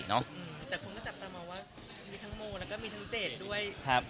คุณจับตามว่ามีทั้งโมงและสำหรับเจดด้วย